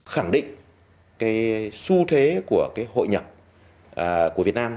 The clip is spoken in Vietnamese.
khẳng định cái xu thế của cái hội nhập của việt nam